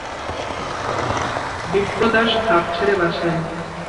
বিপ্রদাস হাঁফ ছেড়ে বাঁচল।